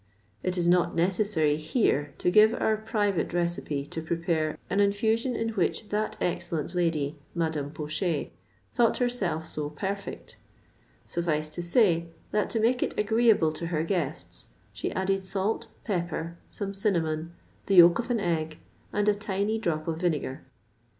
It is not necessary here to give our private recipe to prepare an infusion in which that excellent lady, Madame Pochet, thought herself so perfect; suffice to say, that to make it agreeable to her guests she added salt, pepper, some cinnamon, the yolk of an egg, and a tiny drop of vinegar.